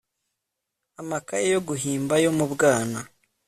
amakaye yo guhimba yo mu bwana